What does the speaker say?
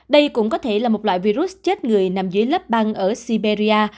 đây cũng có thể là một loại virus chết người nằm dưới lớp băng ở siberia